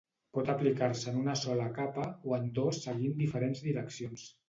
Pot aplicar-se en una sola capa, o en dos seguint diferents direccions.